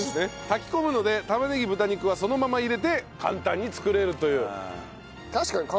炊き込むので玉ねぎ豚肉はそのまま入れて簡単に作れるという。